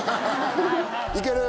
いける？